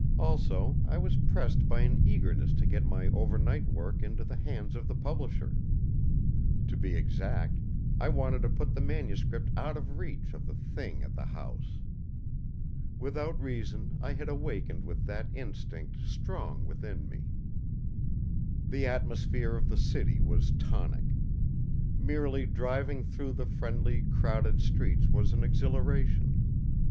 Also, I was pressed by an eagerness to get my over night work into the hands of the publisher. To be exact, I wanted to put the manuscript out of reach of the Thing at the house. Without reason, I had awakened with that instinct strong within me. The atmosphere of the city was tonic. Merely driving through the friendly, crowded streets was an exhilaration.